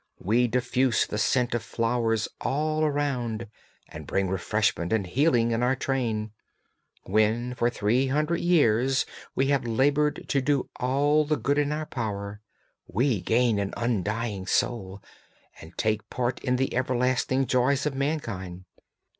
We diffuse the scent of flowers all around, and bring refreshment and healing in our train. When, for three hundred years, we have laboured to do all the good in our power, we gain an undying soul and take a part in the everlasting joys of mankind.